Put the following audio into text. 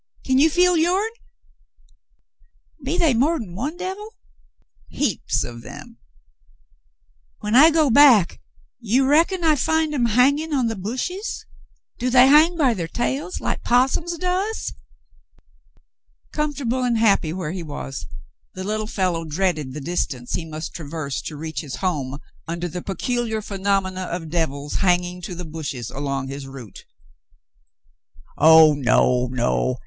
Kin you feel yourn ? Be they more'n one devil ?" "Heaps of them." <('<(' 150 The Mountain Girl (< When I go back, you reckon I'll find 'em hanging on the bushes ? Do they hang by ther tails, like 'possums does ?" Comfortable and happy where he was, the little fellow dreaded the distance he must traverse to reach his home under the peculiar phenomena of devils hanging to the bushes along his route. *'0h, no, no.